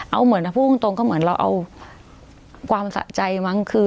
เอาเหมือนถ้าพูดตรงก็เหมือนเราเอาความสะใจมั้งคือ